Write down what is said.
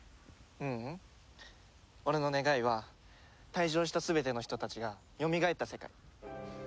ううん。俺の願いは退場した全ての人たちが蘇った世界。